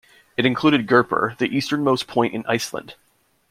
It included Gerpir, the easternmost point in Iceland.